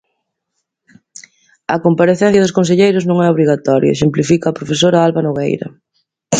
"A comparecencia dos conselleiros non é obrigatoria", exemplifica a profesora Alba Nogueira.